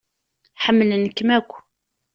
Ḥemmlen-kem akk.